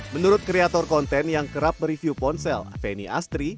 menurut kreator konten yang kerap mereview ponsel feni astri